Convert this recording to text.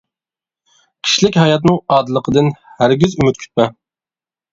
كىشىلىك ھاياتنىڭ ئادىللىقىدىن ھەرگىز ئۈمىد كۈتمە.